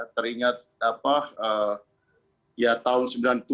teringat tahun sembilan puluh tujuh